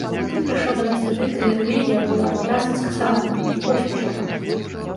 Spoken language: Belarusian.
Ты прыйшоў да нас тады, калі рэлігія была выразна скасавана і больш нічога.